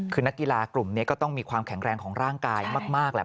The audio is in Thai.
คือนักกีฬากลุ่มนี้ก็ต้องมีความแข็งแรงของร่างกายมากแหละ